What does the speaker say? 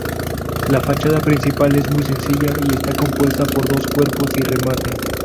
La fachada principal, es muy sencilla, y está compuesta por dos cuerpos y remate.